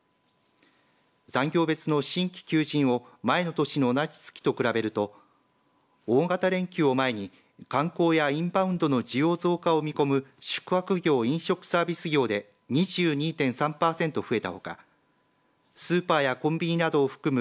産業別の新規求人を前の年の同じ月と比べると大型連休を前に観光やインバウンドの需要増加を見込む宿泊業・飲食サービス業で２２．３パーセント増えたほかスーパーやコンビニなどを含む